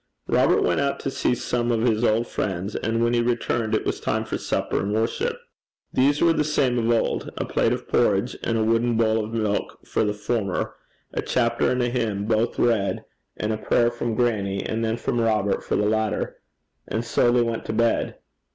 Robert went out to see some of his old friends, and when he returned it was time for supper and worship. These were the same as of old: a plate of porridge, and a wooden bowl of milk for the former; a chapter and a hymn, both read, and a prayer from grannie, and then from Robert for the latter. And so they went to bed.